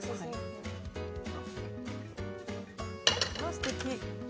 すてき。